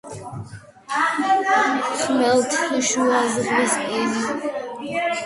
ხმელთაშუაზღვისპირეთის რეგიონის მცენარეა.